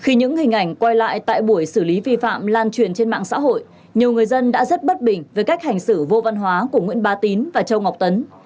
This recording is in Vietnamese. khi những hình ảnh quay lại tại buổi xử lý vi phạm lan truyền trên mạng xã hội nhiều người dân đã rất bất bình với cách hành xử vô văn hóa của nguyễn bá tín và châu ngọc tấn